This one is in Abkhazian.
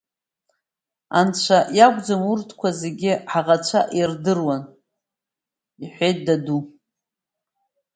Анцәа иакәӡам, урҭқәа зегьы ҳаӷацәа ирдыруан, – иҳәеит, даду.